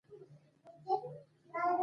منابع مو ارزښت لري.